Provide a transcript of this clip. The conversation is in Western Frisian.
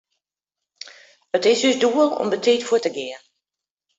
It is ús doel om betiid fuort te gean.